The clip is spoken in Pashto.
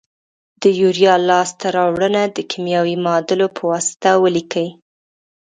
د یوریا لاس ته راوړنه د کیمیاوي معادلو په واسطه ولیکئ.